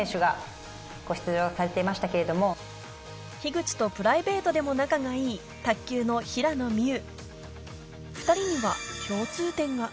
口とプライベートでも仲がいい卓球の平野美宇